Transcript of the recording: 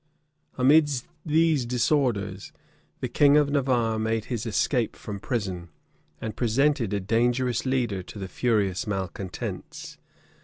Amidst these disorders, the king of Navarre made his escape from prison, and presented a dangerous leader to the furious malecontents.